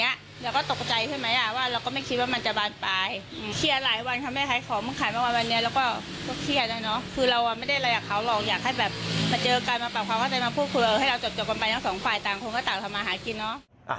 ให้เราจบกันไปทั้งสองฝ่ายต่างคนก็ต่างทำอาหารกินเนอะ